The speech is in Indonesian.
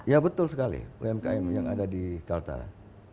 ya betul sekali umkm yang ada di kaltara